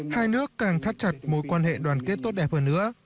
hai nước càng thắt chặt mối quan hệ đoàn kết tốt đẹp hơn nữa